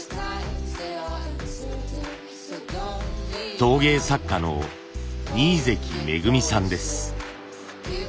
陶芸作家の二位関めぐみさんです。